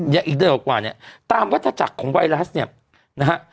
อีกเดือนกว่าเนี่ยตามวัฒนาจักรของไวรัสเนี่ยนะฮะ